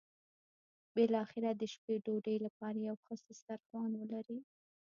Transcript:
بالاخره د شپې ډوډۍ لپاره یو ښه سترخوان ولري.